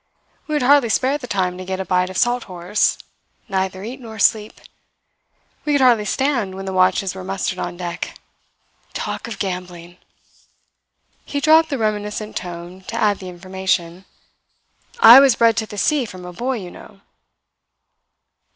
We would hardly spare the time to get a bite of salt horse neither eat nor sleep. We could hardly stand when the watches were mustered on deck. Talk of gambling!" He dropped the reminiscent tone to add the information, "I was bred to the sea from a boy, you know."